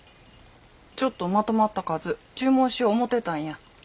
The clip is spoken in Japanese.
ちょっとまとまった数注文しよ思てたんや。